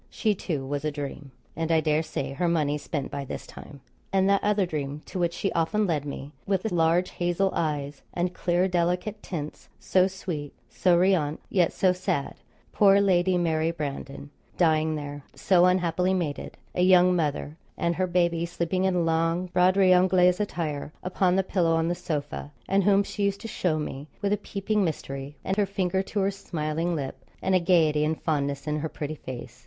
She, too, was a dream, and, I dare say, her money spent by this time. And that other dream, to which she often led me, with the large hazel eyes, and clear delicate tints so sweet, so riante, yet so sad; poor Lady Mary Brandon, dying there so unhappily mated a young mother, and her baby sleeping in long 'Broderie Anglaise' attire upon the pillow on the sofa, and whom she used to show me with a peeping mystery, and her finger to her smiling lip, and a gaiety and fondness in her pretty face.